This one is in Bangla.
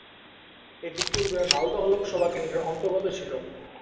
এটি পূর্বে মালদহ লোকসভা কেন্দ্রের অন্তর্গত ছিল।